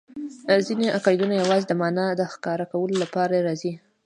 ځیني قیدونه یوازي د مانا د ښکاره کولو له پاره راځي.